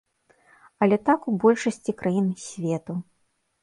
Але так у большасці краін свету.